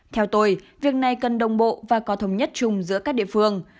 theo tôi việc này cần đồng bộ và có thống nhất chung giữa các địa phương